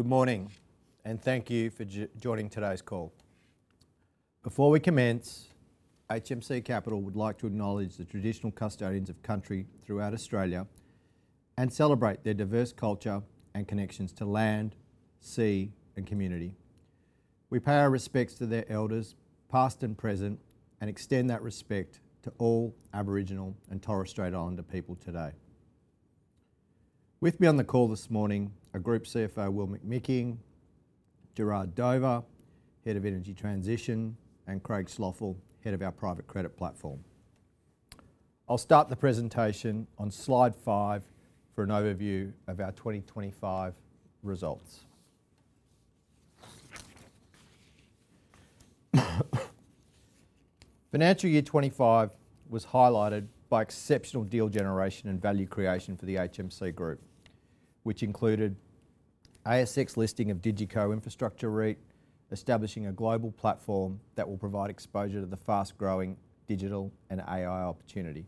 Good morning and thank you for joining today's call. Before we commence, HMC Capital would like to acknowledge the traditional custodians of country throughout Australia and celebrate their diverse culture and connections to land, sea, and community. We pay our respects to their elders, past and present, and extend that respect to all Aboriginal and Torres Strait Islander people today. With me on the call this morning are Group CFO Will McMicking, Gerard Dover, Head of Energy Transition, and Craig Schloeffel, Head of our Private Credit Platform. I'll start the presentation on slide five for an overview of our 2025 results. Financial year 2025 was highlighted by exceptional deal generation and value creation for the HMC Group, which included ASX listing of DigiCo Infrastructure REIT, establishing a global platform that will provide exposure to the fast-growing digital and AI opportunity.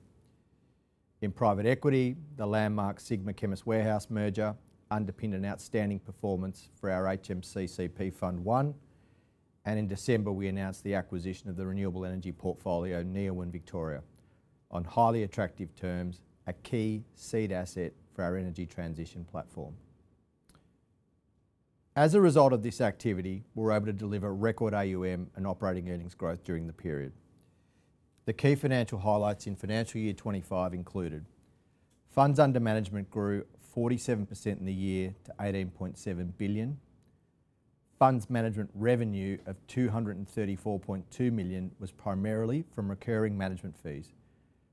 In private equity, the landmark Sigma–Chemist Warehouse merger underpinned an outstanding performance for our HMCCP Fund I, and in December, we announced the acquisition of the renewable energy portfolio Neoen in Victoria on highly attractive terms, a key seed asset for our energy transition platform. As a result of this activity, we were able to deliver record AUM and operating earnings growth during the period. The key financial highlights in Financial Year 2025 included: funds under management grew 47% in the year to $18.7 billion. Funds management revenue of $234.2 million was primarily from recurring management fees,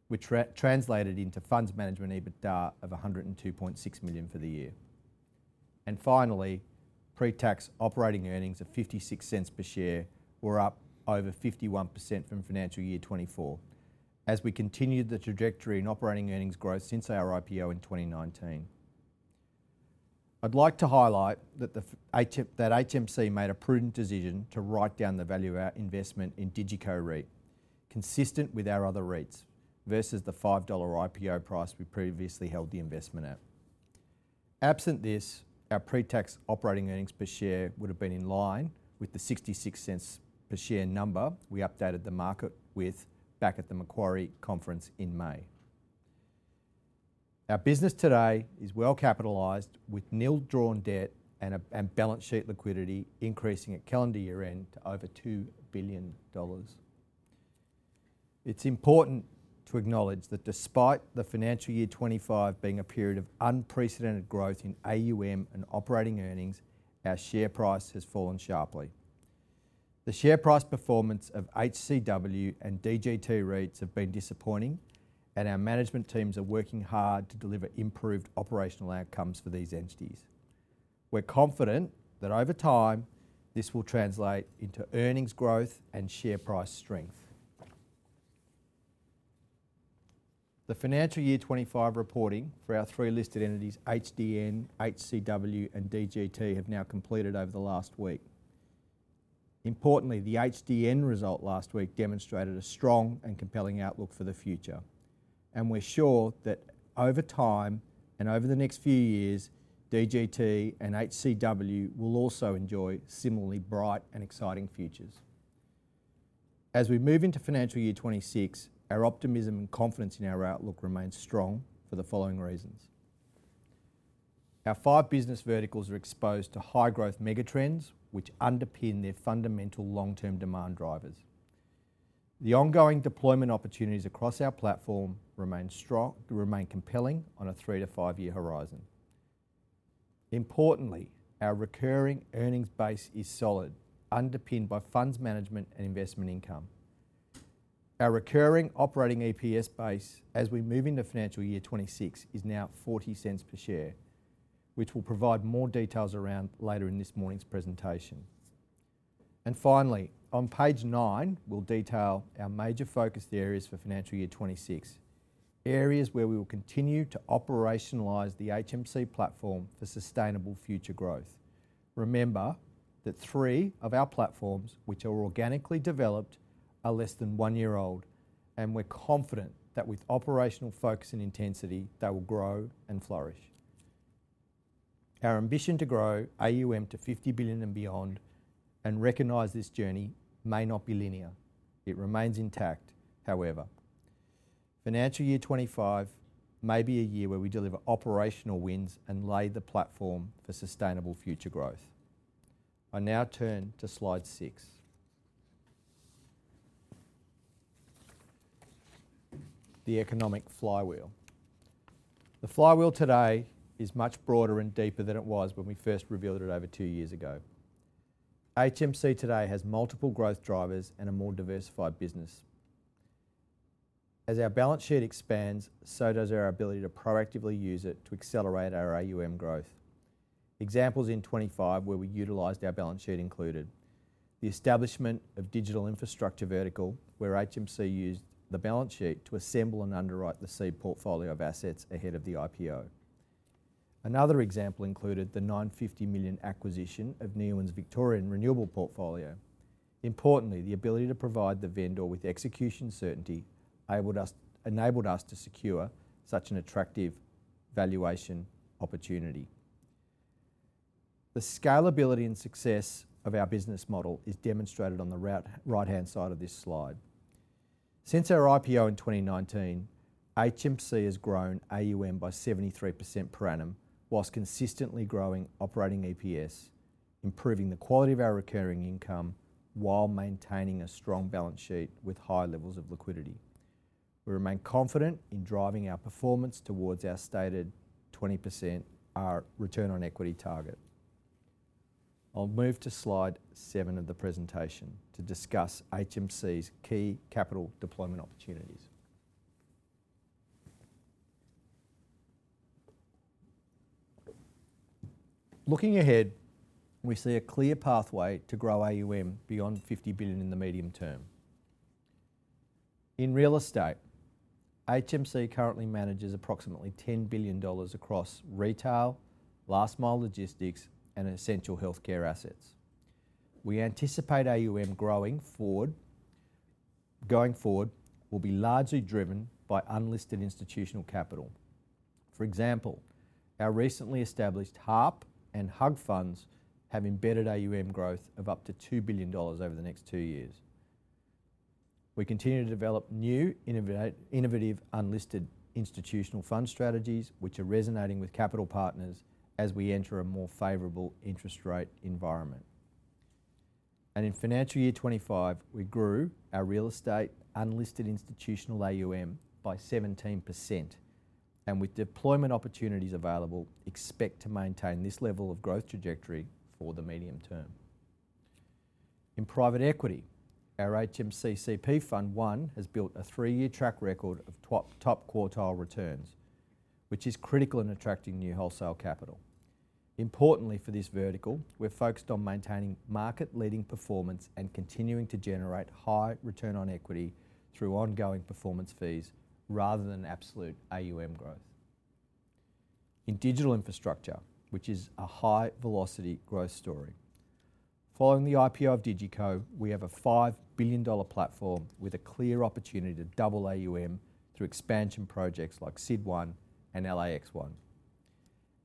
which translated into funds management EBITDA of $102.6 million for the year. Finally, pre-tax operating earnings of $0.56 per share were up over 51% from Financial Year 2024, as we continued the trajectory in operating earnings growth since our IPO in 2019. I'd like to highlight that HMC made a prudent decision to write down the value of our investment in DigiCo REIT, consistent with our other REITs versus the $5 IPO price we previously held the investment at. Absent this, our pre-tax operating earnings per share would have been in line with the $0.66 per share number we updated the market with back at the Macquarie conference in May. Our business today is well capitalized with nil drawn debt and balance sheet liquidity increasing at calendar year end to over $2 billion. It's important to acknowledge that despite Financial Year 2025 being a period of unprecedented growth in AUM and operating earnings, our share price has fallen sharply. The share price performance of HCW and DGT REITs have been disappointing, and our management teams are working hard to deliver improved operational outcomes for these entities. We're confident that over time this will translate into earnings growth and share price strength. The Financial Year 2025 reporting for our three listed entities: HDN, HCW, and DGT have now completed over the last week. Importantly, the HDN result last week demonstrated a strong and compelling outlook for the future, and we're sure that over time and over the next few years, DGT and HCW will also enjoy similarly bright and exciting futures. As we move into Financial Year 2026, our optimism and confidence in our outlook remain strong for the following reasons. Our five business verticals are exposed to high-growth megatrends, which underpin their fundamental long-term demand drivers. The ongoing deployment opportunities across our platform remain strong and remain compelling on a three to five-year horizon. Importantly, our recurring earnings base is solid, underpinned by funds management and investment income. Our recurring operating EPS base, as we move into Financial Year 2026, is now $0.40 per share, which we'll provide more details around later in this morning's presentation. Finally, on page nine, we'll detail our major focused areas for Financial Year 2026, areas where we will continue to operationalize the HMC platform for sustainable future growth. Remember that three of our platforms, which are organically developed, are less than one year old, and we're confident that with operational focus and intensity, they will grow and flourish. Our ambition to grow AUM to $50 billion and beyond and recognize this journey may not be linear, it remains intact, however. Financial Year 2025 may be a year where we deliver operational wins and lay the platform for sustainable future growth. I now turn to slide six, the economic flywheel. The flywheel today is much broader and deeper than it was when we first revealed it over two years ago. HMC today has multiple growth drivers and a more diversified business. As our balance sheet expands, so does our ability to proactively use it to accelerate our AUM growth. Examples in 2025 where we utilized our balance sheet included: the establishment of digital infrastructure vertical, where HMC used the balance sheet to assemble and underwrite the seed portfolio of assets ahead of the IPO. Another example included the $950 million acquisition of Neoen in Victorian renewable portfolio. Importantly, the ability to provide the vendor with execution certainty enabled us to secure such an attractive valuation opportunity. The scalability and success of our business model is demonstrated on the right-hand side of this slide. Since our IPO in 2019, HMC has grown AUM by 73% per annum, whilst consistently growing operating EPS, improving the quality of our recurring income while maintaining a strong balance sheet with high levels of liquidity. We remain confident in driving our performance towards our stated 20% return on equity target. I'll move to slide seven of the presentation to discuss HMC's key capital deployment opportunities. Looking ahead, we see a clear pathway to grow AUM beyond $50 billion in the medium term. In real estate, HMC currently manages approximately $10 billion across retail, last mile logistics, and essential healthcare assets. We anticipate AUM growing forward will be largely driven by unlisted institutional capital. For example, our recently established HARP & HUG funds have embedded AUM growth of up to $2 billion over the next two years. We continue to develop new, innovative, unlisted institutional fund strategies, which are resonating with capital partners as we enter a more favorable interest rate environment. In Financial Year 2025, we grew our real estate unlisted institutional AUM by 17%, and with deployment opportunities available, expect to maintain this level of growth trajectory for the medium term. In private equity, our HMCCP Fund I has built a three-year track record of top quartile returns, which is critical in attracting new wholesale capital. Importantly for this vertical, we're focused on maintaining market-leading performance and continuing to generate high return on equity through ongoing performance fees rather than absolute AUM growth. In digital infrastructure, which is a high-velocity growth story, following the IPO of DigiCo, we have a $5 billion platform with a clear opportunity to double AUM through expansion projects like SID1 and LAX1.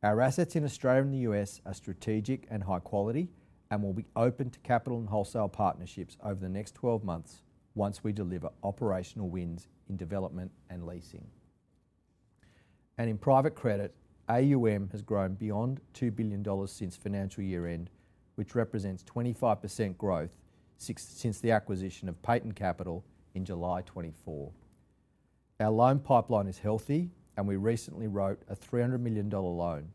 Our assets in Australia and the U.S. are strategic and high quality and will be open to capital and wholesale partnerships over the next 12 months once we deliver operational wins in development and leasing. In private credit, AUM has grown beyond $2 billion since Financial Year end, which represents 25% growth since the acquisition of Payton Capital in July 2024. Our loan pipeline is healthy, and we recently wrote a $300 million loan,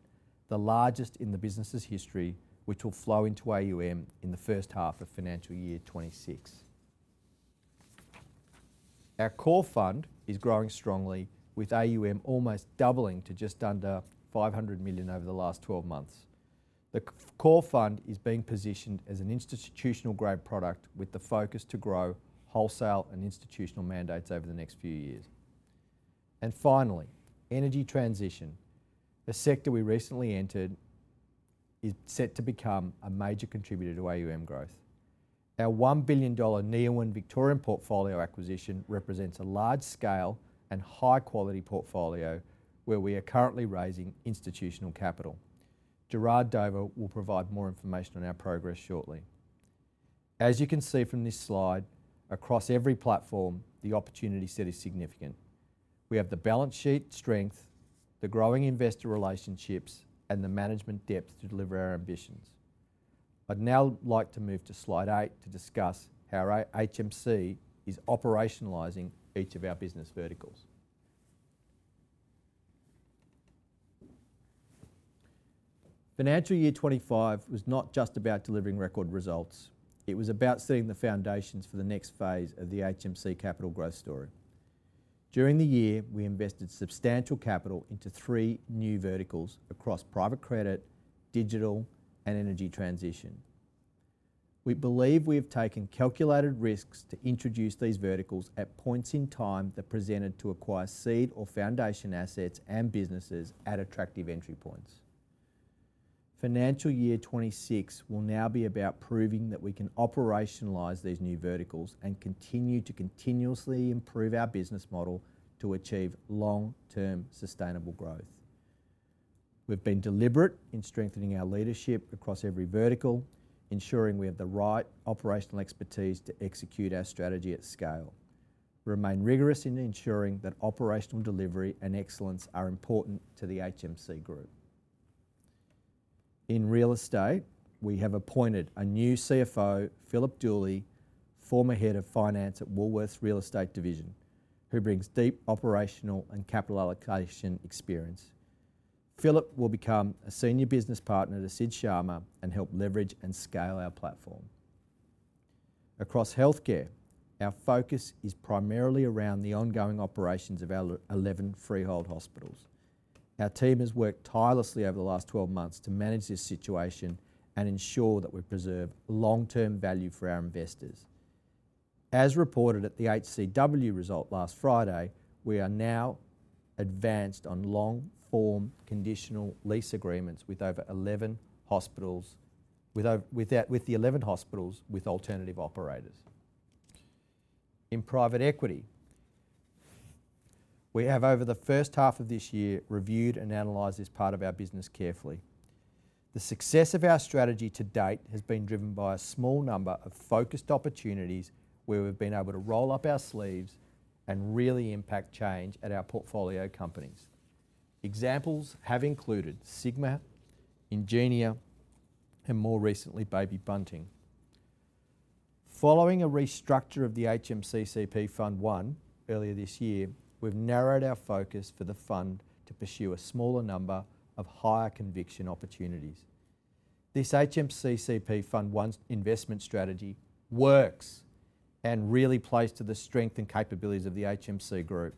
the largest in the business's history, which will flow into AUM in the first half of Financial Year 2026. Our core fund is growing strongly, with AUM almost doubling to just under $500 million over the last 12 months. The core fund is being positioned as an institutional-grade product with the focus to grow wholesale and institutional mandates over the next few years. Finally, energy transition, a sector we recently entered, is set to become a major contributor to AUM growth. Our $1 billion Neoen Victorian portfolio acquisition represents a large-scale and high-quality portfolio where we are currently raising institutional capital. Gerard Dover will provide more information on our progress shortly. As you can see from this slide, across every platform, the opportunity set is significant. We have the balance sheet strength, the growing investor relationships, and the management depth to deliver our ambitions. I'd now like to move to slide eight to discuss how HMC is operationalizing each of our business verticals. Financial Year 2025 was not just about delivering record results, it was about setting the foundations for the next phase of the HMC Capital growth story. During the year, we invested substantial capital into three new verticals across private credit, digital, and energy transition. We believe we have taken calculated risks to introduce these verticals at points in time that presented to acquire seed or foundation assets and businesses at attractive entry points. Financial Year 2026 will now be about proving that we can operationalize these new verticals and continue to continuously improve our business model to achieve long-term sustainable growth. We've been deliberate in strengthening our leadership across every vertical, ensuring we have the right operational expertise to execute our strategy at scale. We remain rigorous in ensuring that operational delivery and excellence are important to the HMC Group. In real estate, we have appointed a new CFO, Phillip Dooley, former Head of Finance at Woolworths Real Estate Division, who brings deep operational and capital allocation experience. Philip will become a senior business partner to Sid Sharma and help leverage and scale our platform. Across healthcare, our focus is primarily around the ongoing operations of our 11 freehold hospitals. Our team has worked tirelessly over the last 12 months to manage this situation and ensure that we preserve long-term value for our investors. As reported at the HCW result last Friday, we are now advanced on long-form conditional lease agreements with over 11 hospitals, with the 11 hospitals with alternative operators. In private equity, we have over the first half of this year reviewed and analyzed this part of our business carefully. The success of our strategy to date has been driven by a small number of focused opportunities where we've been able to roll up our sleeves and really impact change at our portfolio companies. Examples have included Sigma, Ingenia, and more recently, Baby Bunting. Following a restructure of the HMCCP Fund I earlier this year, we've narrowed our focus for the fund to pursue a smaller number of higher conviction opportunities. This HMCCP Fund I investment strategy works and really plays to the strength and capabilities of the HMC Group.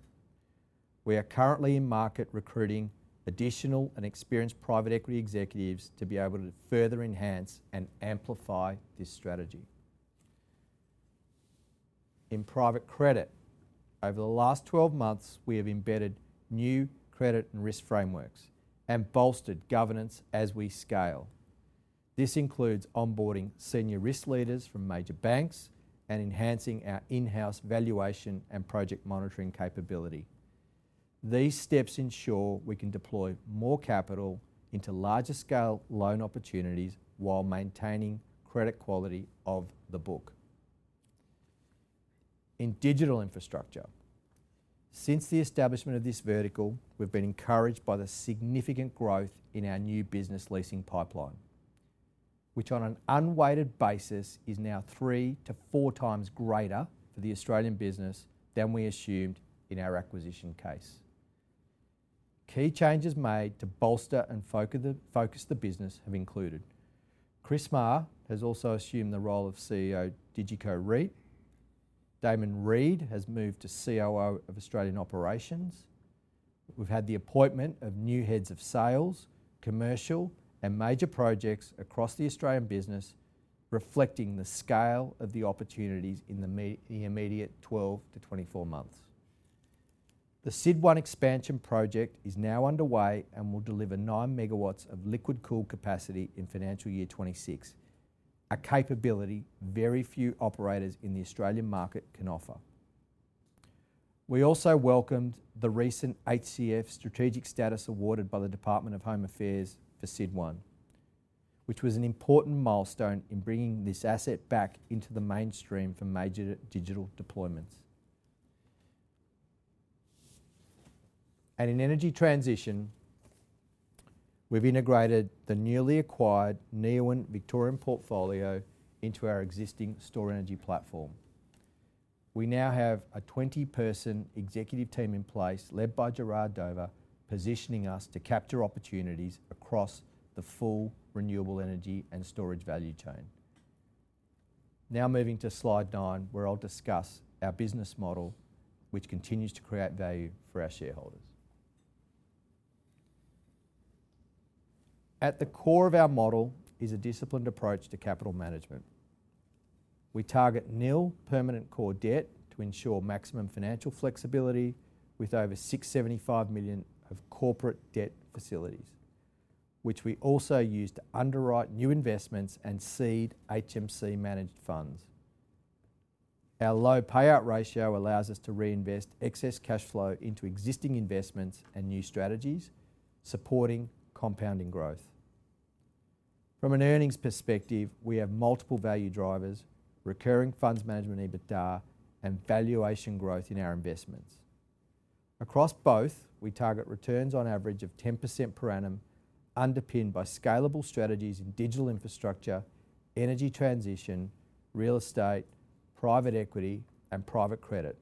We are currently in market recruiting additional and experienced private equity executives to be able to further enhance and amplify this strategy. In private credit, over the last 12 months, we have embedded new credit and risk frameworks and bolstered governance as we scale. This includes onboarding senior risk leaders from major banks and enhancing our in-house valuation and project monitoring capability. These steps ensure we can deploy more capital into larger-scale loan opportunities while maintaining credit quality of the book. In digital infrastructure, since the establishment of this vertical, we've been encouraged by the significant growth in our new business leasing pipeline, which on an unweighted basis is now [3x to 4x] greater for the Australian business than we assumed in our acquisition case. Key changes made to bolster and focus the business have included: Chris Maher has also assumed the role of CEO DigiCo REIT. Damon Reid has moved to COO of Australian Operations. We've had the appointment of new Heads of Sales, Commercial, and Major Projects across the Australian business, reflecting the scale of the opportunities in the immediate 12-24 months. The SID1 expansion project is now underway and will deliver 9 MW of liquid cooled capacity in Financial Year 2026, a capability very few operators in the Australian market can offer. We also welcomed the recent HCF Strategic Status awarded by the Department of Home Affairs for SID1, which was an important milestone in bringing this asset back into the mainstream for major digital deployments. In energy transition, we've integrated the newly acquired Neoen Victorian portfolio into our existing Stor-Energy platform. We now have a 20-person executive team in place, led by Gerard Dover, positioning us to capture opportunities across the full renewable energy and storage value chain. Now moving to slide nine, where I'll discuss our business model, which continues to create value for our shareholders. At the core of our model is a disciplined approach to capital management. We target nil permanent core debt to ensure maximum financial flexibility with over $675 million of corporate debt facilities, which we also use to underwrite new investments and seed HMC-managed funds. Our low payout ratio allows us to reinvest excess cash flow into existing investments and new strategies, supporting compounding growth. From an earnings perspective, we have multiple value drivers: recurring funds management EBITDA and valuation growth in our investments. Across both, we target returns on average of 10% per annum, underpinned by scalable strategies in digital infrastructure, energy transition, real estate, private equity, and private credit,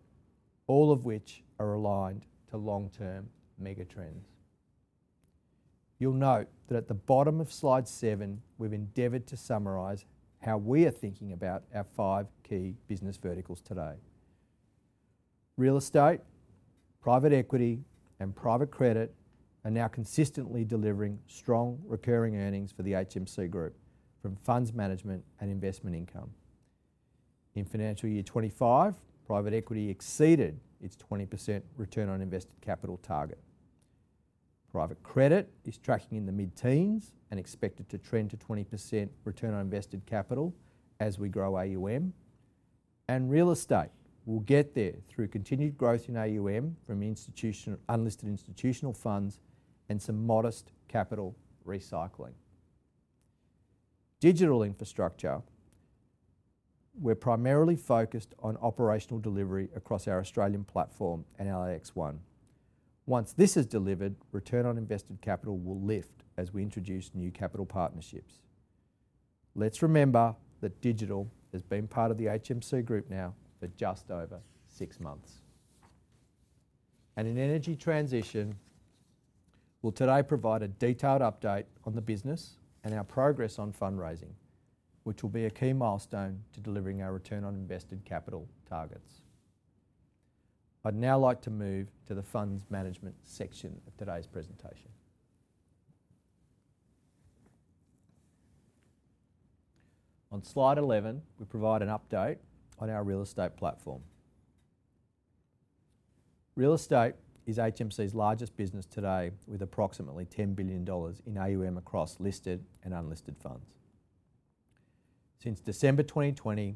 all of which are aligned to long-term megatrends. You'll note that at the bottom of slide seven, we've endeavored to summarize how we are thinking about our five key business verticals today. Real estate, private equity, and private credit are now consistently delivering strong recurring earnings for the HMC Group from funds management and investment income. In Financial Year 2025, private equity exceeded its 20% return on invested capital target. Private credit is tracking in the mid-teens and expected to trend to 20% return on invested capital as we grow AUM. Real estate will get there through continued growth in AUM from unlisted institutional funds and some modest capital recycling. Digital infrastructure, we're primarily focused on operational delivery across our Australian platform and LAX1. Once this is delivered, return on invested capital will lift as we introduce new capital partnerships. Let's remember that digital has been part of the HMC Group now for just over six months. In energy transition, we'll today provide a detailed update on the business and our progress on fundraising, which will be a key milestone to delivering our return on invested capital targets. I'd now like to move to the funds management section of today's presentation. On slide 11, we provide an update on our real estate platform. Real estate is HMC's largest business today, with approximately $10 billion in AUM across listed and unlisted funds. Since December 2020,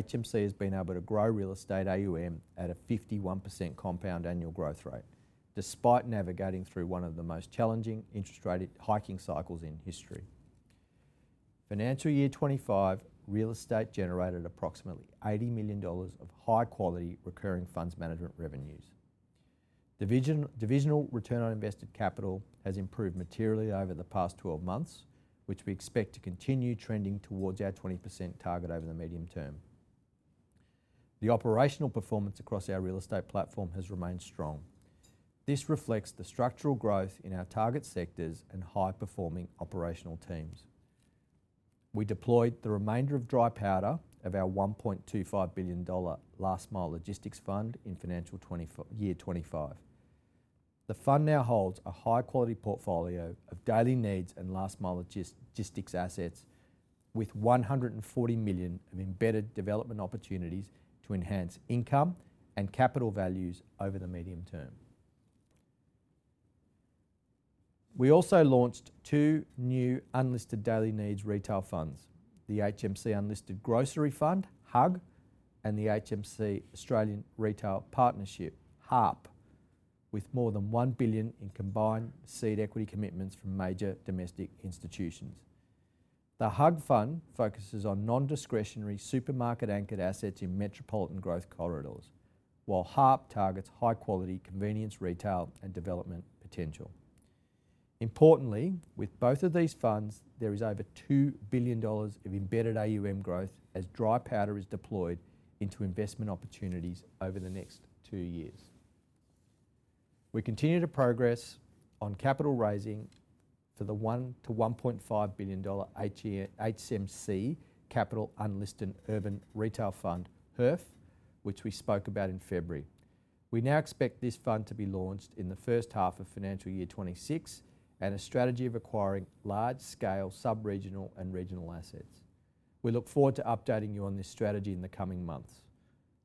HMC has been able to grow real estate AUM at a 51% compound annual growth rate, despite navigating through one of the most challenging interest rate hiking cycles in history. Financial Year 2025, real estate generated approximately $80 million of high-quality recurring funds management revenues. Divisional return on invested capital has improved materially over the past 12 months, which we expect to continue trending towards our 20% target over the medium term. The operational performance across our real estate platform has remained strong. This reflects the structural growth in our target sectors and high-performing operational teams. We deployed the remainder of dry powder of our $1.25 billion last mile logistics fund in Financial Year 2025. The fund now holds a high-quality portfolio of daily needs and last mile logistics assets, with $140 million of embedded development opportunities to enhance income and capital values over the medium term. We also launched two new unlisted daily needs retail funds: the HMC Unlisted Grocery Fund, HUG, and the HMC Australian Retail Partnership, HARP, with more than $1 billion in combined seed equity commitments from major domestic institutions. The HUG fund focuses on non-discretionary supermarket-anchored assets in metropolitan growth corridors, while HARP targets high-quality convenience retail and development potential. Importantly, with both of these funds, there is over $2 billion of embedded AUM growth as dry powder is deployed into investment opportunities over the next two years. We continue to progress on capital raising for the $1 billion-1.5 billion HMC Capital Unlisted Urban Retail Fund, HURF, which we spoke about in February. We now expect this fund to be launched in the first half of Financial Year 2026 and a strategy requiring large-scale subregional and regional assets. We look forward to updating you on this strategy in the coming months.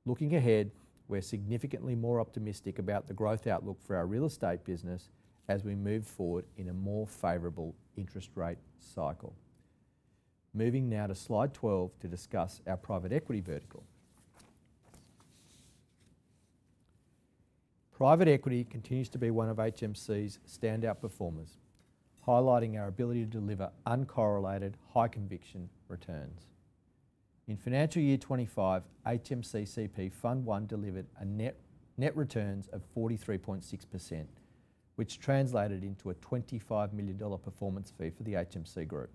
Looking ahead, we're significantly more optimistic about the growth outlook for our real estate business as we move forward in a more favorable interest rate cycle. Moving now to slide 12 to discuss our private equity vertical. Private equity continues to be one of HMC's standout performers, highlighting our ability to deliver uncorrelated high-conviction returns. In Financial Year 2025, HMCCP Fund I delivered a net return of 43.6%, which translated into a $25 million performance fee for the HMC Group.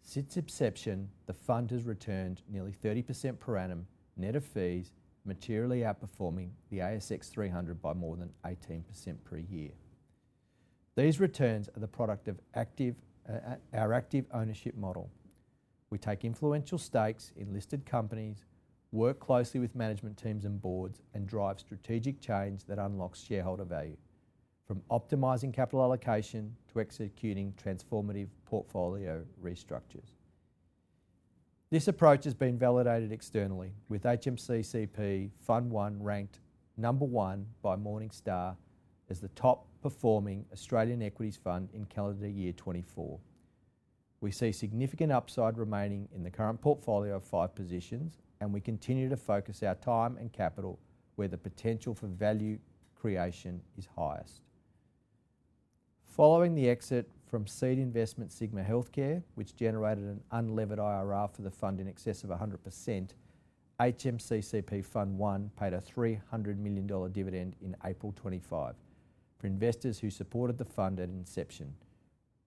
Since its inception, the fund has returned nearly 30% per annum net of fees, materially outperforming the ASX 300 by more than 18% per year. These returns are the product of our active ownership model. We take influential stakes in listed companies, work closely with management teams and boards, and drive strategic change that unlocks shareholder value, from optimizing capital allocation to executing transformative portfolio restructures. This approach has been validated externally, with HMCCP Fund I ranked number one by Morningstar as the top-performing Australian equities fund in calendar year 2024. We see significant upside remaining in the current portfolio of five positions, and we continue to focus our time and capital where the potential for value creation is highest. Following the exit from seed investment Sigma, which generated an unlevered IRR for the fund in excess of 100%, HMCCP Fund I paid a $300 million dividend in April 2025 for investors who supported the fund at inception,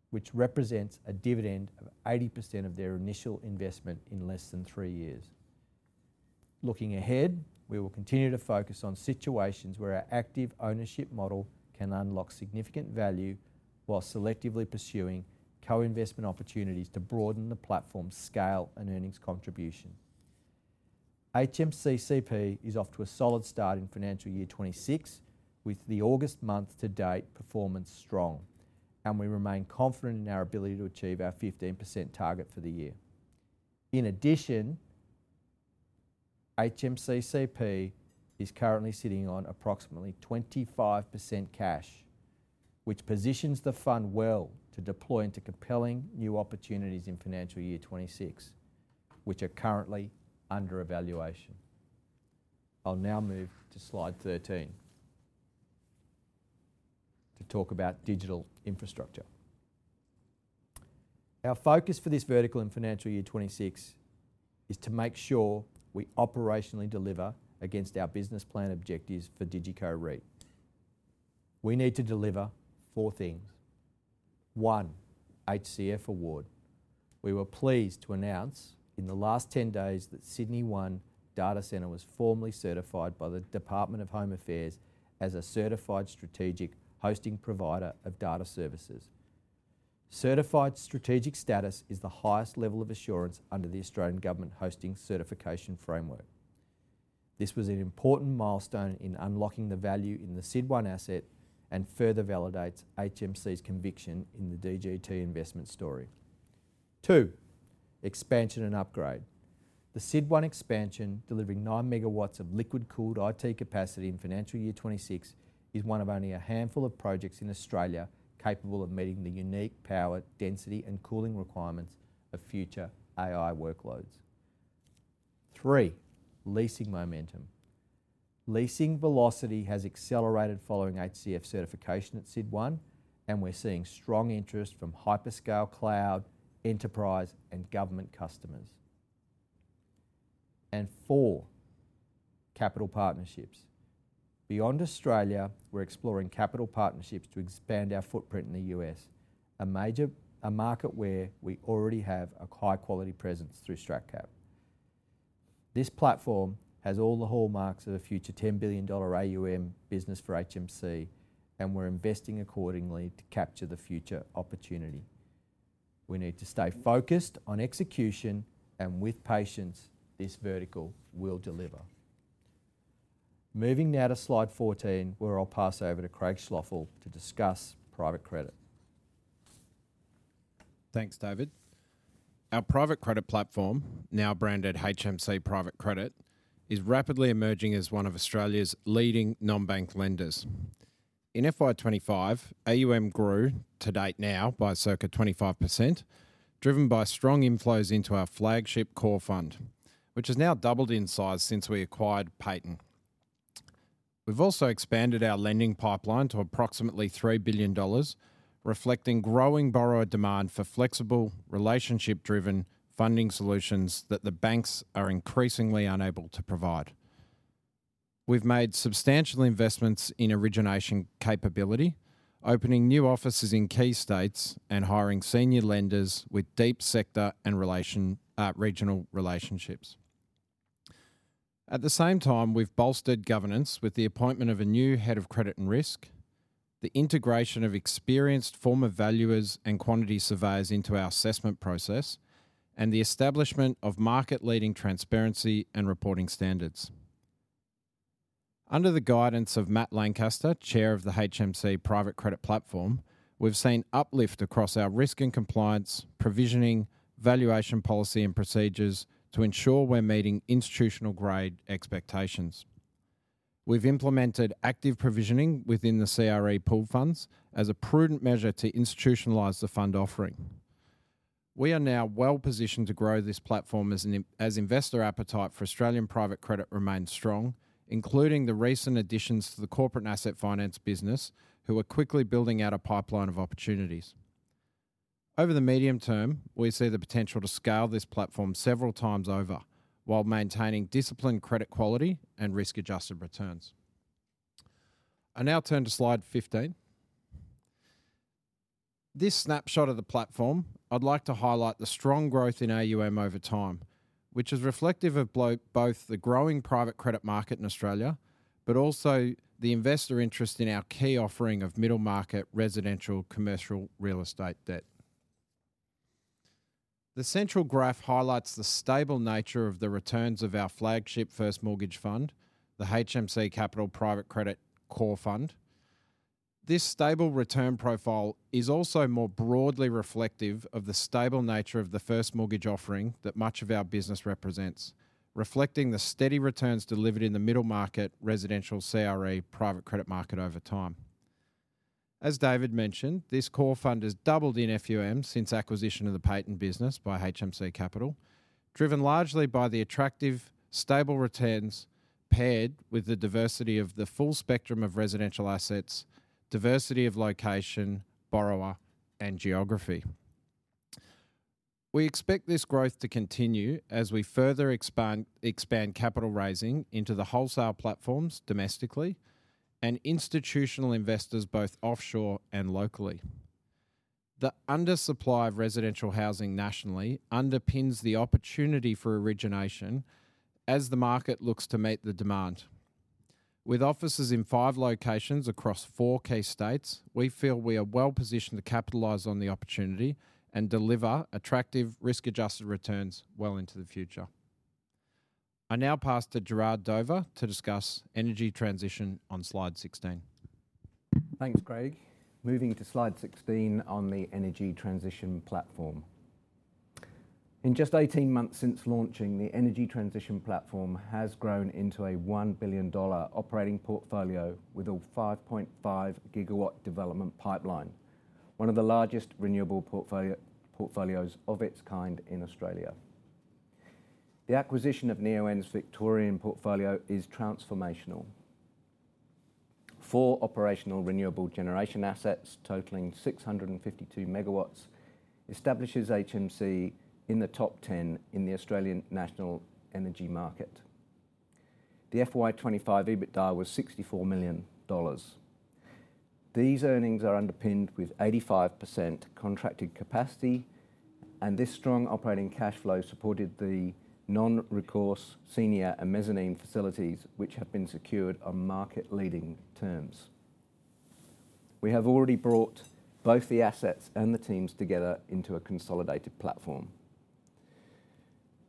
which represents a dividend of 80% of their initial investment in less than three years. Looking ahead, we will continue to focus on situations where our active ownership model can unlock significant value while selectively pursuing co-investment opportunities to broaden the platform's scale and earnings contribution. HMCCP is off to a solid start in Financial Year 2026, with the August month to date performance strong, and we remain confident in our ability to achieve our 15% target for the year. In addition, HMCCP is currently sitting on approximately 25% cash, which positions the fund well to deploy into compelling new opportunities in Financial Year 2026, which are currently under evaluation. I'll now move to slide 13 to talk about digital infrastructure. Our focus for this vertical in Financial Year 2026 is to make sure we operationally deliver against our business plan objectives for DigiCo REIT. We need to deliver four things. One, HCF award. We were pleased to announce in the last 10 days that Sydney One Data Center was formally certified by the Department of Home Affairs as a certified strategic hosting provider of data services. Certified strategic status is the highest level of assurance under the Australian Government Hosting Certification Framework. This was an important milestone in unlocking the value in the SID1 asset and further validates HMC's conviction in the DGT investment story. Two, expansion and upgrade. The SID1 expansion, delivering 9 MW of liquid cooled IT capacity in Financial Year 2026, is one of only a handful of projects in Australia capable of meeting the unique power, density, and cooling requirements of future AI workloads. Three, leasing momentum. Leasing velocity has accelerated following HCF certification at SID1, and we're seeing strong interest from hyperscale cloud, enterprise, and government customers. Four, capital partnerships. Beyond Australia, we're exploring capital partnerships to expand our footprint in the U.S., a market where we already have a high-quality presence through StratCap. This platform has all the hallmarks of a future $10 billion AUM business for HMC, and we're investing accordingly to capture the future opportunity. We need to stay focused on execution, and with patience, this vertical will deliver. Moving now to slide 14, where I'll pass over to Craig Schloeffel to discuss private credit. Thanks, David. Our private credit platform, now branded HMC Private Credit, is rapidly emerging as one of Australia's leading non-bank lenders. In FY 2025, AUM grew to date now by circa 25%, driven by strong inflows into our flagship core fund, which has now doubled in size since we acquired Payton. We've also expanded our lending pipeline to approximately $3 billion, reflecting growing borrower demand for flexible, relationship-driven funding solutions that the banks are increasingly unable to provide. We've made substantial investments in origination capability, opening new offices in key states and hiring senior lenders with deep sector and regional relationships. At the same time, we've bolstered governance with the appointment of a new Head of Credit and Risk, the integration of experienced former valuers and quantity surveyors into our assessment process, and the establishment of market-leading transparency and reporting standards. Under the guidance of Matt Lancaster, Chair of the HMC Private Credit Platform, we've seen uplift across our risk and compliance provisioning, valuation policy, and procedures to ensure we're meeting institutional-grade expectations. We've implemented active provisioning within the CRE pooled funds as a prudent measure to institutionalize the fund offering. We are now well positioned to grow this platform as investor appetite for Australian private credit remains strong, including the recent additions to the corporate and asset finance business, who are quickly building out a pipeline of opportunities. Over the medium term, we see the potential to scale this platform several times over, while maintaining disciplined credit quality and risk-adjusted returns. I'll now turn to slide 15. This snapshot of the platform, I'd like to highlight the strong growth in AUM over time, which is reflective of both the growing private credit market in Australia, but also the investor interest in our key offering of middle-market residential commercial real estate debt. The central graph highlights the stable nature of the returns of our flagship first mortgage fund, the HMC Capital Private Credit Core Fund. This stable return profile is also more broadly reflective of the stable nature of the first mortgage offering that much of our business represents, reflecting the steady returns delivered in the middle-market residential CRE private credit market over time. As David mentioned, this core fund has doubled in FUM since acquisition of the Payton business by HMC Capital, driven largely by the attractive, stable returns paired with the diversity of the full spectrum of residential assets, diversity of location, borrower, and geography. We expect this growth to continue as we further expand capital raising into the wholesale platforms domestically and institutional investors both offshore and locally. The undersupply of residential housing nationally underpins the opportunity for origination as the market looks to meet the demand. With offices in five locations across four key states, we feel we are well positioned to capitalize on the opportunity and deliver attractive risk-adjusted returns well into the future. I now pass to Gerard Dover to discuss energy transition on slide 16. Thanks, Craig. Moving to slide 16 on the energy transition platform. In just 18 months since launching, the energy transition platform has grown into a $1 billion operating portfolio with a 5.5 GW development pipeline, one of the largest renewable portfolios of its kind in Australia. The acquisition of Neoen in its Victorian portfolio is transformational. Four operational renewable generation assets totaling 652 MW establish HMC in the top 10 in the Australian national energy market. The FY 2025 EBITDA was $64 million. These earnings are underpinned with 85% contracted capacity, and this strong operating cash flow supported the non-recourse senior and mezzanine facilities, which have been secured on market-leading terms. We have already brought both the assets and the teams together into a consolidated platform.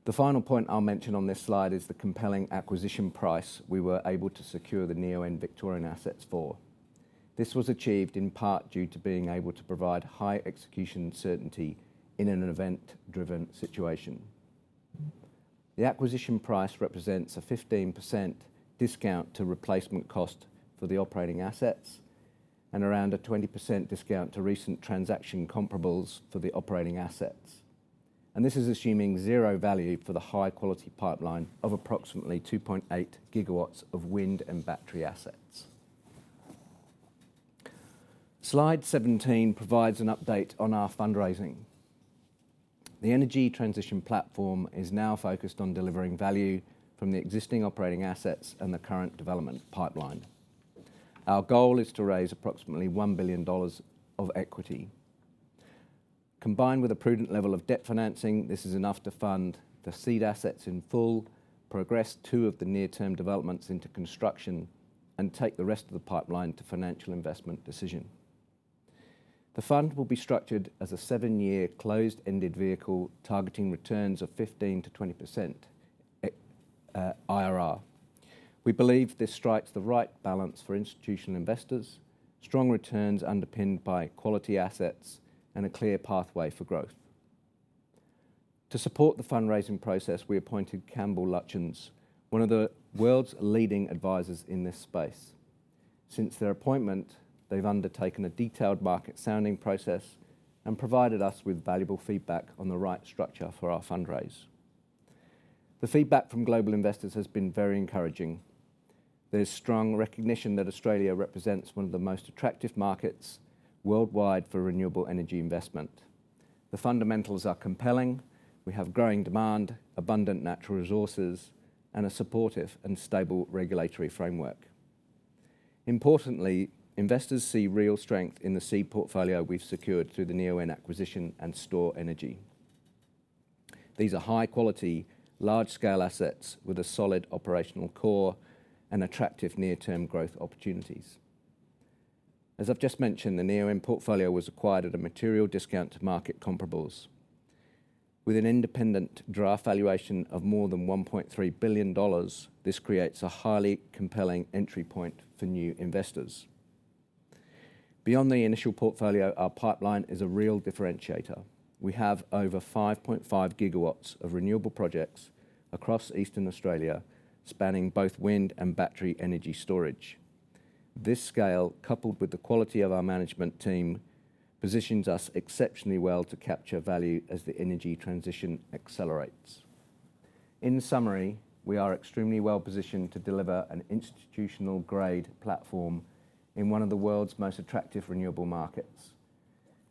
The final point I'll mention on this slide is the compelling acquisition price we were able to secure the Neoen Victorian assets for. This was achieved in part due to being able to provide high execution certainty in an event-driven situation. The acquisition price represents a 15% discount to replacement cost for the operating assets and around a 20% discount to recent transaction comparables for the operating assets. This is assuming zero value for the high-quality pipeline of approximately 2.8 GW of wind and battery assets. Slide 17 provides an update on our fundraising. The energy transition platform is now focused on delivering value from the existing operating assets and the current development pipeline. Our goal is to raise approximately $1 billion of equity. Combined with a prudent level of debt financing, this is enough to fund the seed assets in full, progress two of the near-term developments into construction, and take the rest of the pipeline to financial investment decision. The fund will be structured as a seven-year closed-ended vehicle targeting returns of 15%-20% IRR. We believe this strikes the right balance for institutional investors, strong returns underpinned by quality assets, and a clear pathway for growth. To support the fundraising process, we appointed Campbell Lutyens, one of the world's leading advisors in this space. Since their appointment, they've undertaken a detailed market sounding process and provided us with valuable feedback on the right structure for our fundraise. The feedback from global investors has been very encouraging. There's strong recognition that Australia represents one of the most attractive markets worldwide for renewable energy investment. The fundamentals are compelling. We have growing demand, abundant natural resources, and a supportive and stable regulatory framework. Importantly, investors see real strength in the seed portfolio we've secured through the Neoen acquisition and Stor-Energy. These are high-quality, large-scale assets with a solid operational core and attractive near-term growth opportunities. As I've just mentioned, the Neoen portfolio was acquired at a material discount to market comparables. With an independent draft valuation of more than $1.3 billion, this creates a highly compelling entry point for new investors. Beyond the initial portfolio, our pipeline is a real differentiator. We have over 5.5 GW of renewable projects across Eastern Australia, spanning both wind and battery energy storage. This scale, coupled with the quality of our management team, positions us exceptionally well to capture value as the energy transition accelerates. In summary, we are extremely well positioned to deliver an institutional-grade platform in one of the world's most attractive renewable markets.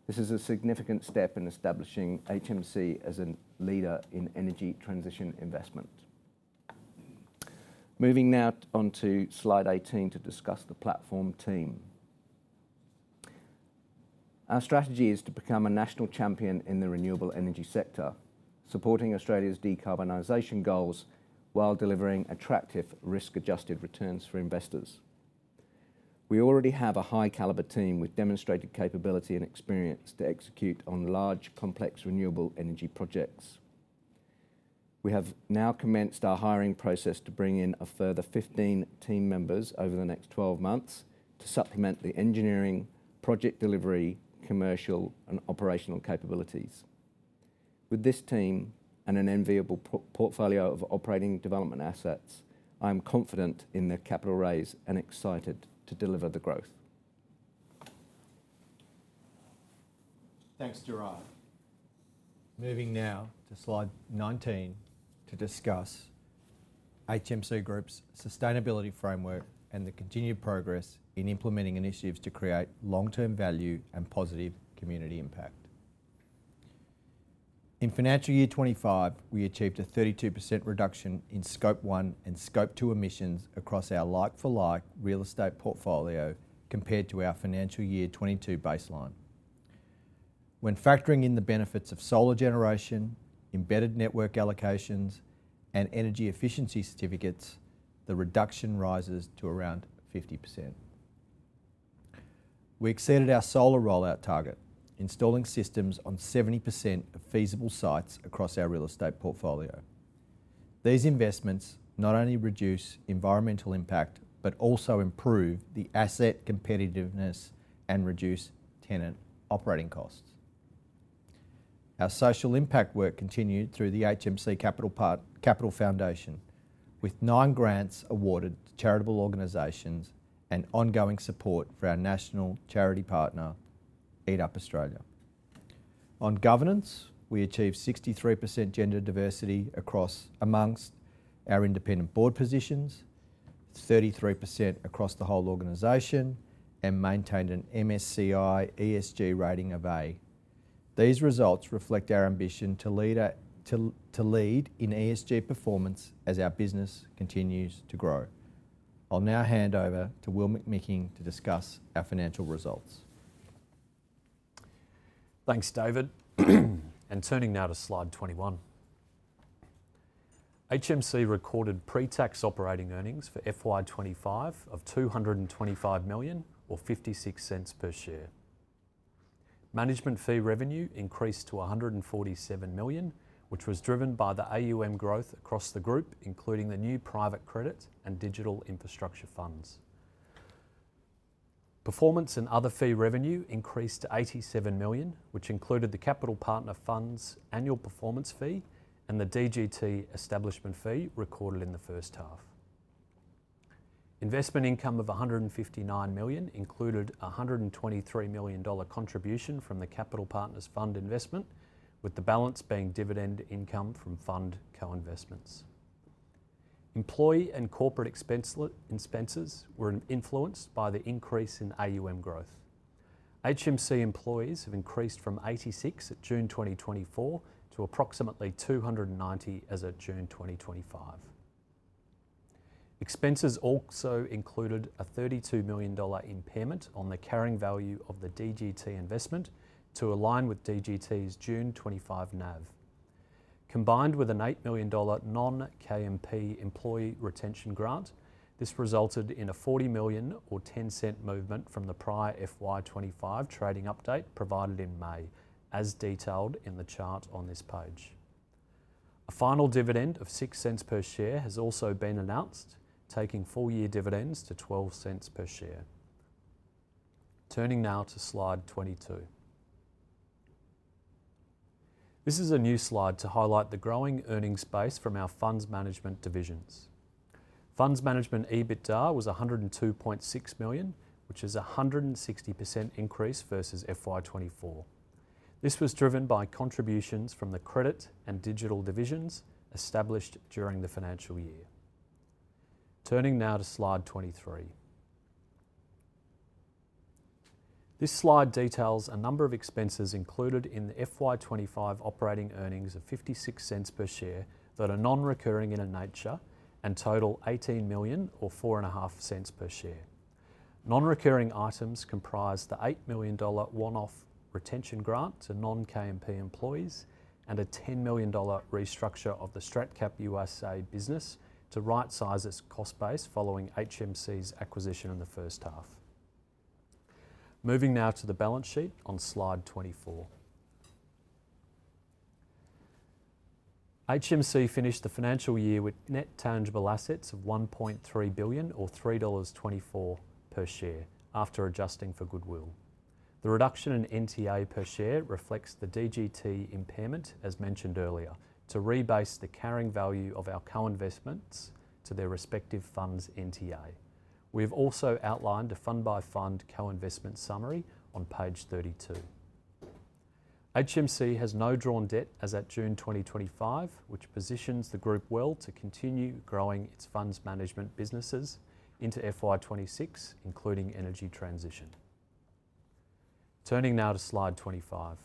This is a significant step in establishing HMC as a leader in energy transition investment. Moving now on to slide 18 to discuss the platform team. Our strategy is to become a national champion in the renewable energy sector, supporting Australia's decarbonization goals while delivering attractive risk-adjusted returns for investors. We already have a high-caliber team with demonstrated capability and experience to execute on large, complex renewable energy projects. We have now commenced our hiring process to bring in a further 15 team members over the next 12 months to supplement the engineering, project delivery, commercial, and operational capabilities. With this team and an enviable portfolio of operating development assets, I'm confident in the capital raise and excited to deliver the growth. Thanks, Gerard. Moving now to slide 19 to discuss HMC Group's sustainability framework and the continued progress in implementing initiatives to create long-term value and positive community impact. In Financial Year 2025, we achieved a 32% reduction in Scope 1 and Scope 2 emissions across our like-for-like real estate portfolio compared to our Financial Year 2022 baseline. When factoring in the benefits of solar generation, embedded network allocations, and energy efficiency certificates, the reduction rises to around 50%. We exceeded our solar rollout target, installing systems on 70% of feasible sites across our real estate portfolio. These investments not only reduce environmental impact, but also improve the asset competitiveness and reduce tenant operating costs. Our social impact work continued through the HMC Capital Foundation, with nine grants awarded to charitable organizations and ongoing support for our national charity partner, Eat Up Australia. On governance, we achieved 63% gender diversity amongst our independent board positions, 33% across the whole organization, and maintained an MSCI ESG rating of A. These results reflect our ambition to lead in ESG performance as our business continues to grow. I'll now hand over to Will McMicking to discuss our financial results. Thanks, David. Turning now to slide 21. HMC recorded pre-tax operating earnings for FY 2025 of $225 million, or $0.56 per share. Management fee revenue increased to $147 million, which was driven by the AUM growth across the group, including the new private credit and digital infrastructure funds. Performance and other fee revenue increased to $87 million, which included the capital partner fund's annual performance fee and the DGT establishment fee recorded in the first half. Investment income of $159 million included a $123 million contribution from the capital partner's fund investment, with the balance being dividend income from fund co-investments. Employee and corporate expenses were influenced by the increase in AUM growth. HMC employees have increased from 86 at June 2024 to approximately 290 as of June 2025. Expenses also included a $32 million impairment on the carrying value of the DGT investment to align with DGT's June 2025 NAV. Combined with an $8 million non-KMP employee retention grant, this resulted in a $40 million, or $0.10 movement from the prior FY 2025 trading update provided in May, as detailed in the chart on this page. A final dividend of $0.06 per share has also been announced, taking full-year dividends to $0.12 per share. Turning now to slide 22. This is a new slide to highlight the growing earnings base from our funds management divisions. Funds management EBITDA was $102.6 million, which is a 160% increase versus FY 2024. This was driven by contributions from the credit and digital divisions established during the financial year. Turning now to slide 23. This slide details a number of expenses included in the FY 2025 operating earnings of $0.56 per share that are non-recurring in nature and total $18 million, or $4.50 per share. Non-recurring items comprise the $8 million one-off retention grant to non-KMP employees and a $10 million restructure of the StratCap USA business to right-size its cost base following HMC's acquisition in the first half. Moving now to the balance sheet on slide 24. HMC finished the financial year with net tangible assets of $1.3 billion, or $3.24 per share, after adjusting for goodwill. The reduction in NTA per share reflects the DGT impairment, as mentioned earlier, to rebase the carrying value of our co-investments to their respective funds NTA. We've also outlined a fund-by-fund co-investment summary on page 32. HMC has no drawn debt as at June 2025, which positions the group well to continue growing its funds management businesses into FY 2026, including energy transition. Turning now to slide 25.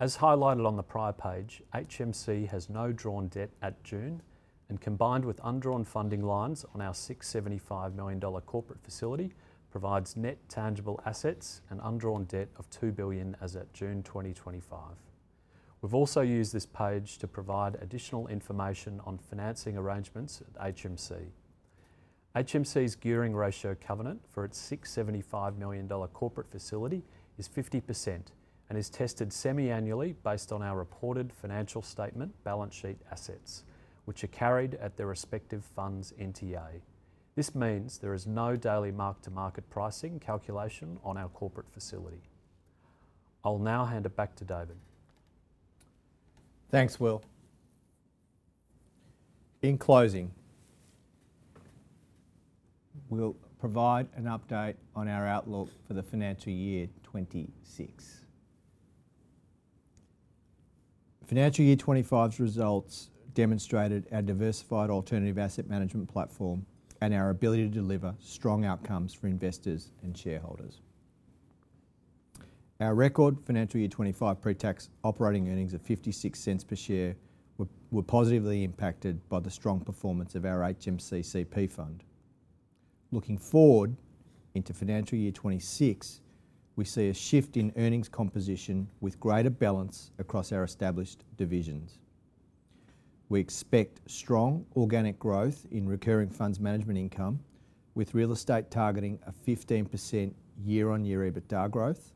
As highlighted on the prior page, HMC has no drawn debt at June, and combined with undrawn funding lines on our $675 million corporate facility, provides net tangible assets and undrawn debt of $2 billion as at June 2025. We've also used this page to provide additional information on financing arrangements at HMC. HMC's gearing ratio covenant for its $675 million corporate facility is 50% and is tested semi-annually based on our reported financial statement balance sheet assets, which are carried at their respective funds NTA. This means there is no daily mark-to-market pricing calculation on our corporate facility. I'll now hand it back to David. Thanks, Will. In closing, we'll provide an update on our outlook for the financial year 2026. Financial Year 2025 results demonstrated our diversified alternative asset management platform and our ability to deliver strong outcomes for investors and shareholders. Our record Financial Year 2025 pre-tax operating earnings of $0.56 per share were positively impacted by the strong performance of our HMCCP fund. Looking forward into Financial Year 2026, we see a shift in earnings composition with greater balance across our established divisions. We expect strong organic growth in recurring funds management income, with real estate targeting a 15% year-on-year EBITDA growth,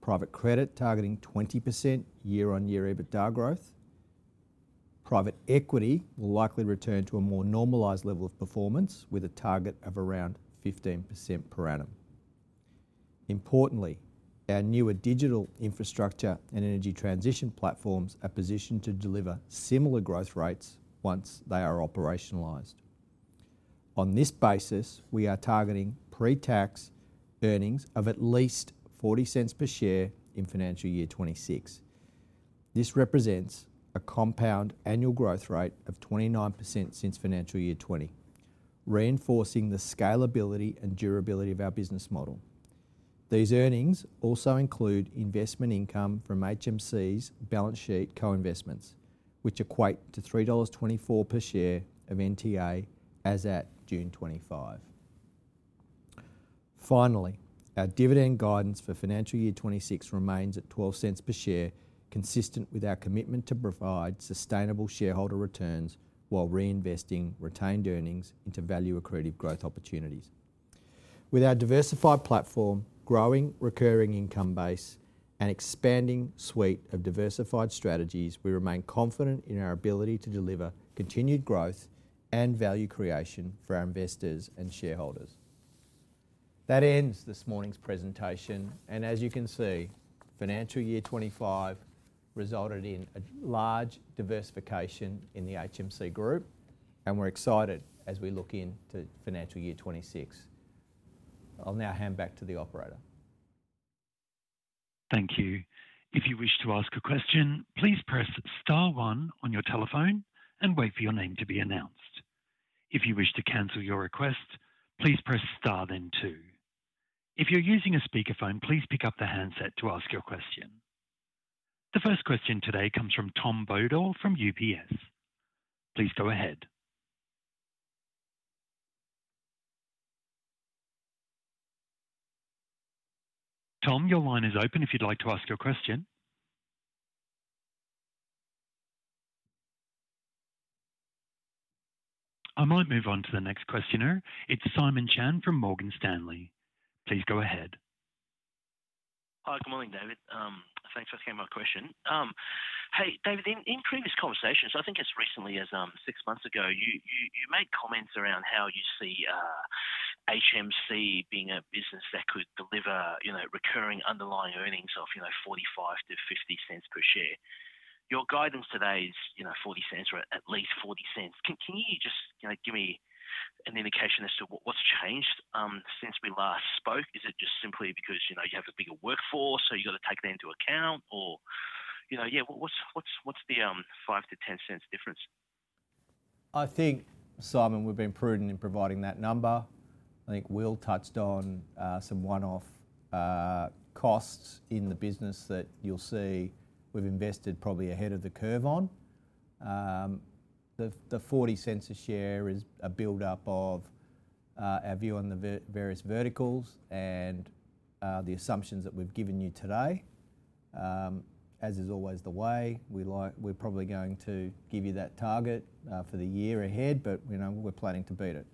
private credit targeting 20% year-on-year EBITDA growth. Private equity will likely return to a more normalized level of performance with a target of around 15% per annum. Importantly, our newer digital infrastructure and energy transition platforms are positioned to deliver similar growth rates once they are operationalized. On this basis, we are targeting pre-tax earnings of at least $0.40 per share in Financial Year 2026. This represents a compound annual growth rate of 29% since Financial Year 2020, reinforcing the scalability and durability of our business model. These earnings also include investment income from HMC's balance sheet co-investments, which equate to $3.24 per share of NTA as at June 2025. Finally, our dividend guidance for Financial Year 2026 remains at $0.12 per share, consistent with our commitment to provide sustainable shareholder returns while reinvesting retained earnings into value accretive growth opportunities. With our diversified platform, growing recurring income base, and expanding suite of diversified strategies, we remain confident in our ability to deliver continued growth and value creation for our investors and shareholders. That ends this morning's presentation, and as you can see, Financial Year 2025 resulted in a large diversification in the HMC Group, and we're excited as we look into Financial Year 2026. I'll now hand back to the operator. Thank you. If you wish to ask a question, please press star one on your telephone and wait for your name to be announced. If you wish to cancel your request, please press star then two. If you're using a speaker phone, please pick up the handset to ask your question. The first question today comes from Tom Bodle from UBS. Please go ahead. Tom, your line is open if you'd like to ask your question. I might move on to the next questioner. It's Simon Chan from Morgan Stanley. Please go ahead. Hi, good morning, David. Thanks for asking my question. In previous conversations, I think as recently as six months ago, you made comments around how you see HMC being a business that could deliver recurring underlying earnings of $0.45-$0.50 per share. Your guidance today is $0.40 or at least $0.40. Can you give me an indication as to what's changed since we last spoke? Is it just simply because you have a bigger workforce so you've got to take that into account, or what's the $0.05-$0.10 difference? I think, Simon, we've been prudent in providing that number. I think Will touched on some one-off costs in the business that you'll see we've invested probably ahead of the curve on. The $0.40 a share is a build-up of our view on the various verticals and the assumptions that we've given you today. As is always the way, we're probably going to give you that target for the year ahead, but we're planning to beat it.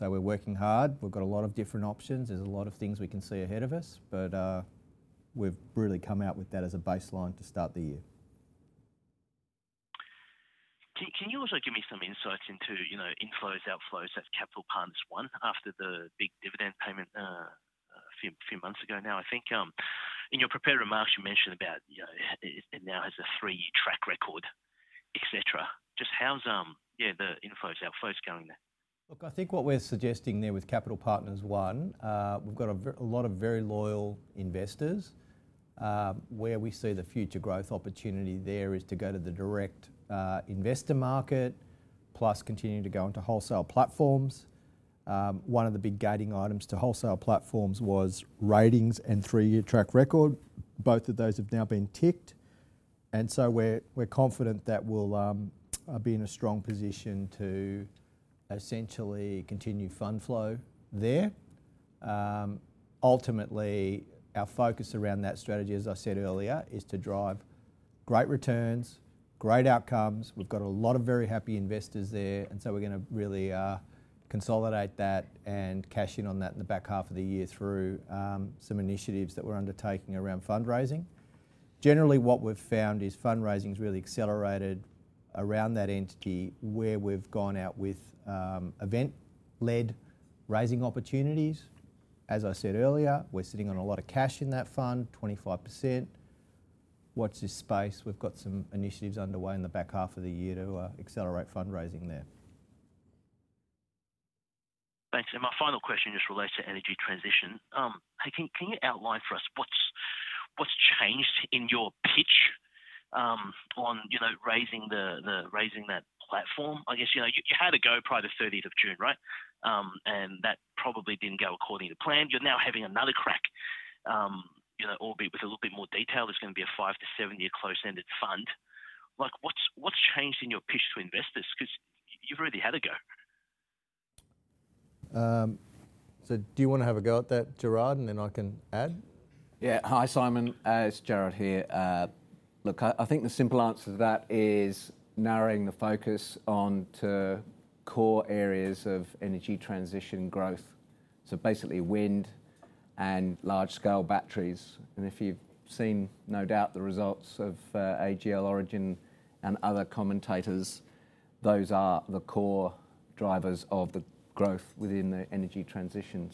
We're working hard. We've got a lot of different options. There's a lot of things we can see ahead of us, but we've really come out with that as a baseline to start the year. Can you also give me some insights into, you know, inflows, outflows at Capital Partners I after the big dividend payment a few months ago now? I think in your prepared remarks you mentioned about, you know, it now has a three-year track record, et cetera. Just how's the inflows, outflows going there? Look, I think what we're suggesting there with Capital Partners I, we've got a lot of very loyal investors. Where we see the future growth opportunity there is to go to the direct investor market, plus continue to go into wholesale platforms. One of the big gating items to wholesale platforms was ratings and three-year track record. Both of those have now been ticked, and we're confident that we'll be in a strong position to essentially continue fund flow there. Ultimately, our focus around that strategy, as I said earlier, is to drive great returns, great outcomes. We've got a lot of very happy investors there, and we're going to really consolidate that and cash in on that in the back half of the year through some initiatives that we're undertaking around fundraising. Generally, what we've found is fundraising's really accelerated around that entity where we've gone out with event-led raising opportunities. As I said earlier, we're sitting on a lot of cash in that fund, 25%. Watch this space. We've got some initiatives underway in the back half of the year to accelerate fundraising there. Thanks. My final question just relates to energy transition. Can you outline for us what's changed in your pitch on, you know, raising that platform? I guess you had a go prior to the 30th of June, right? That probably didn't go according to plan. You're now having another crack, albeit with a little bit more detail. There's going to be a five to seven-year close-ended fund. What's changed in your pitch to investors? Because you've already had a go. Do you want to have a go at that, Gerard, and then I can add? Yeah. Hi, Simon. It's Gerard here. I think the simple answer to that is narrowing the focus onto core areas of energy transition growth, basically wind and large-scale batteries. If you've seen, no doubt, the results of AGL, Origin, and other commentators, those are the core drivers of the growth within the energy transition.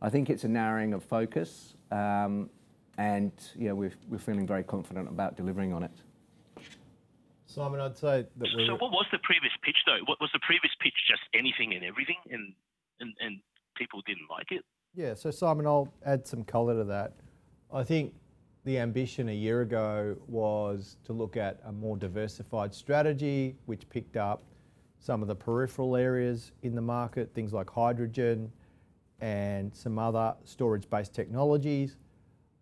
I think it's a narrowing of focus, and yeah, we're feeling very confident about delivering on it. Simon, I'd say that we. What was the previous pitch, though? Was the previous pitch just anything and everything, and people didn't like it? Yeah, Simon, I'll add some color to that. I think the ambition a year ago was to look at a more diversified strategy, which picked up some of the peripheral areas in the market, things like hydrogen and some other storage-based technologies.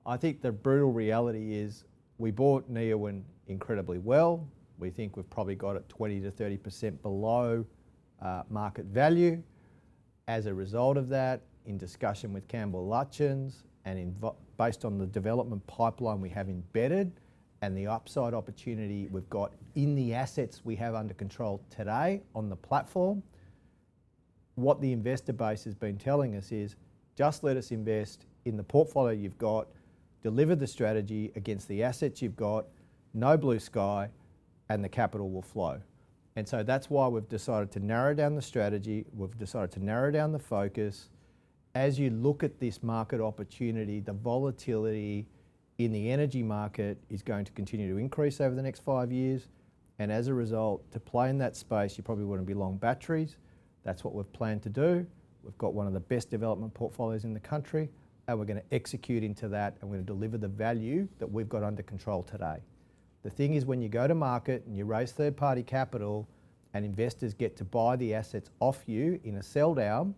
I think the brutal reality is we bought Neoen incredibly well. We think we've probably got it 20%-30% below market value. As a result of that, in discussion with Campbell Lutyens, and based on the development pipeline we have embedded and the upside opportunity we've got in the assets we have under control today on the platform, what the investor base has been telling us is just let us invest in the portfolio you've got, deliver the strategy against the assets you've got, no blue sky, and the capital will flow. That's why we've decided to narrow down the strategy. We've decided to narrow down the focus. As you look at this market opportunity, the volatility in the energy market is going to continue to increase over the next five years. As a result, to play in that space, you probably wouldn't be long batteries. That's what we've planned to do. We've got one of the best development portfolios in the country, and we're going to execute into that, and we're going to deliver the value that we've got under control today. The thing is, when you go to market and you raise third-party capital and investors get to buy the assets off you in a sell-down,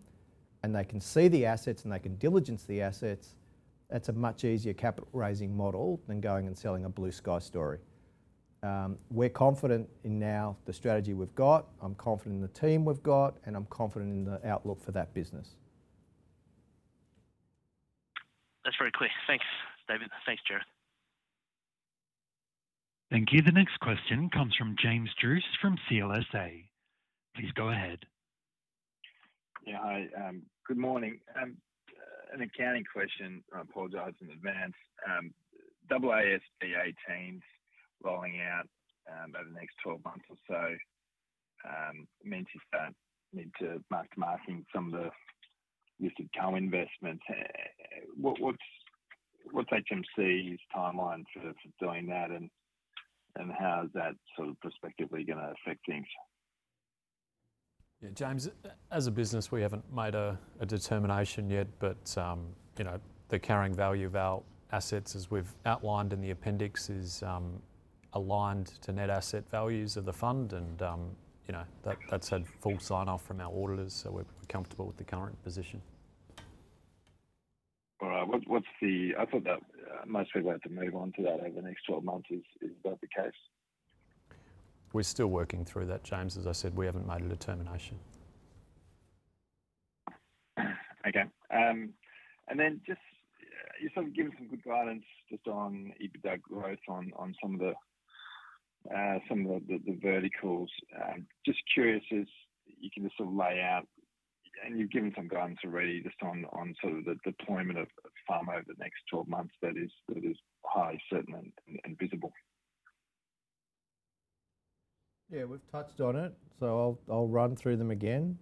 and they can see the assets and they can diligence the assets, that's a much easier capital raising model than going and selling a blue sky story. We're confident in now the strategy we've got. I'm confident in the team we've got, and I'm confident in the outlook for that business. That's very clear. Thanks, David. Thanks, Gerard. Thank you. The next question comes from James Druce from CLSA. Please go ahead. Yeah, hi. Good morning. An accounting question, I apologize in advance. AASB 18 rolling out over the next 12 months or so. [HMC] Fund need to mark to marking some of the listed co-investments. What's HMC's timeline for doing that, and how is that sort of prospectively going to affect things? Yeah, James, as a business, we haven't made a determination yet, but you know, the carrying value of our assets, as we've outlined in the appendix, is aligned to net asset values of the fund, and you know, that's had full sign-off from our auditors, so we're comfortable with the current position. All right. What's the, I thought that most people had to move on to that over the next 12 months. Is that the case? We're still working through that, James. As I said, we haven't made a determination. You sort of give us some good guidance just on EBITDA growth on some of the verticals. Just curious if you can just sort of lay out, and you've given some guidance already just on the deployment of PAM over the next 12 months that is highly certain and visible. Yeah, we've touched on it, so I'll run through them again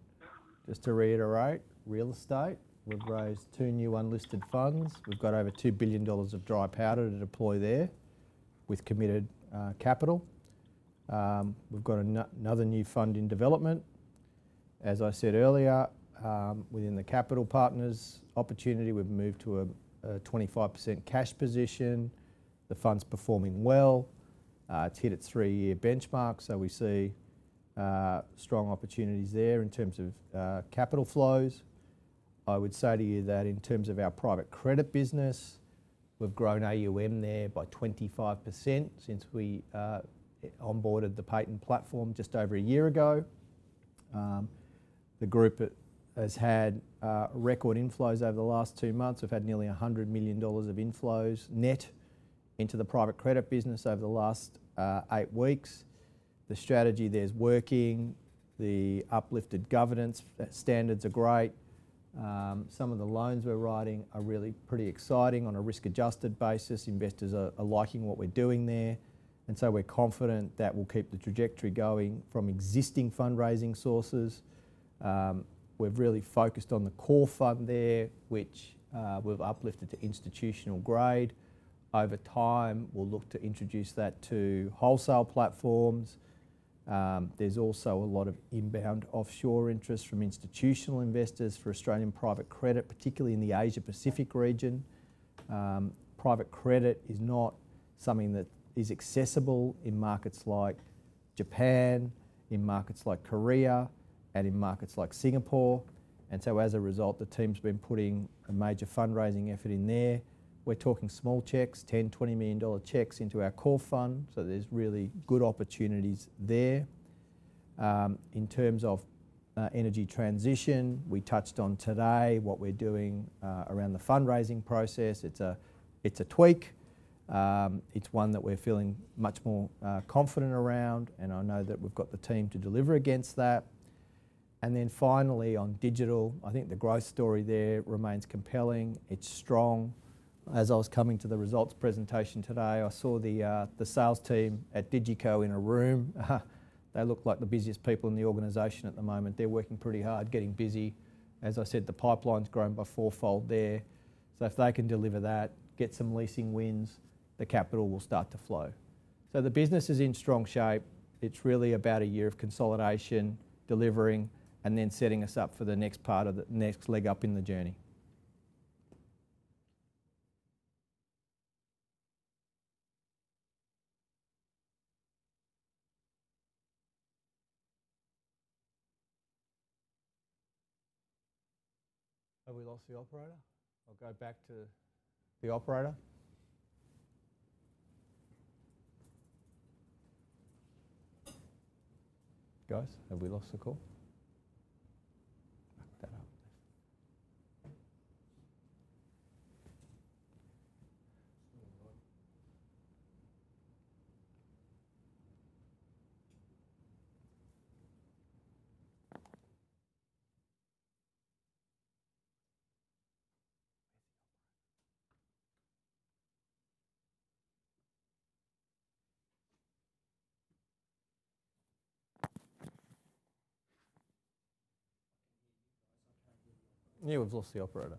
just to reiterate. Real estate, we've raised two new unlisted funds. We've got over $2 billion of dry powder to deploy there with committed capital. We've got another new fund in development. As I said earlier, within the capital partners opportunity, we've moved to a 25% cash position. The fund's performing well. It's hit at three-year benchmarks, so we see strong opportunities there in terms of capital flows. I would say to you that in terms of our private credit business, we've grown AUM there by 25% since we onboarded the Payton Capital platform just over a year ago. The group has had record inflows over the last two months. We've had nearly $100 million of inflows net into the private credit business over the last eight weeks. The strategy there's working. The uplifted governance standards are great. Some of the loans we're writing are really pretty exciting on a risk-adjusted basis. Investors are liking what we're doing there, and so we're confident that we'll keep the trajectory going from existing fundraising sources. We've really focused on the core fund there, which we've uplifted to institutional grade. Over time, we'll look to introduce that to wholesale platforms. There's also a lot of inbound offshore interest from institutional investors for Australian private credit, particularly in the Asia-Pacific region. Private credit is not something that is accessible in markets like Japan, in markets like Korea, and in markets like Singapore. As a result, the team's been putting a major fundraising effort in there. We're talking small checks, $10 million, $20 million checks into our core fund, so there's really good opportunities there. In terms of energy transition, we touched on today what we're doing around the fundraising process. It's a tweak. It's one that we're feeling much more confident around, and I know that we've got the team to deliver against that. Finally, on digital, I think the growth story there remains compelling. It's strong. As I was coming to the results presentation today, I saw the sales team at DigiCo in a room. They look like the busiest people in the organization at the moment. They're working pretty hard, getting busy. As I said, the pipeline's grown by fourfold there. If they can deliver that, get some leasing wins, the capital will start to flow. The business is in strong shape. It's really about a year of consolidation, delivering, and then setting us up for the next part of the next leg up in the journey. Have we lost the operator? I'll go back to the operator. Guys, have we lost the call? [We] lost the operator.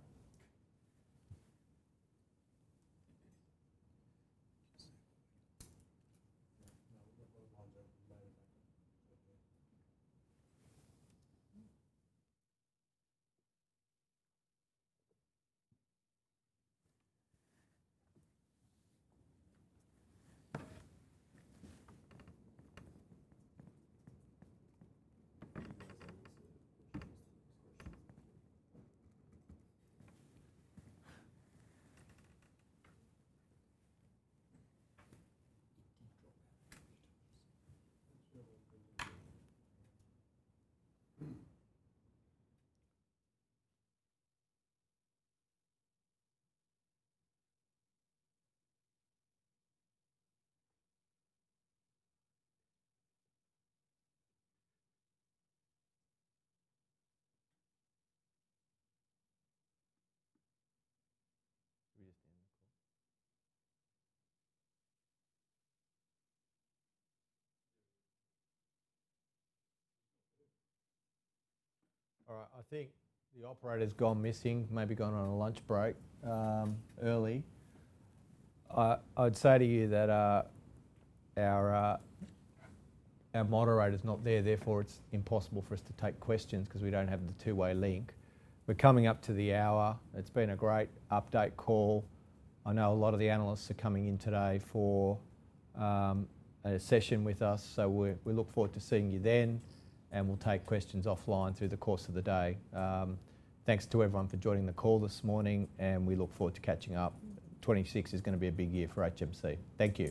All right, I think the operator's gone missing, maybe gone on a lunch break early. I'd say to you that our moderator's not there, therefore it's impossible for us to take questions because we don't have the two-way link. We're coming up to the hour. It's been a great update call. I know a lot of the analysts are coming in today for a session with us, so we look forward to seeing you then, and we'll take questions offline through the course of the day. Thanks to everyone for joining the call this morning, and we look forward to catching up. 2026 is going to be a big year for HMC Capital. Thank you.